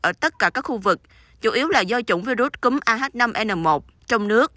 ở tất cả các khu vực chủ yếu là do chủng virus cúm ah năm n một trong nước